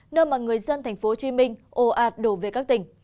nơi mà người dân tp hcm ồ ạt đổ về các tỉnh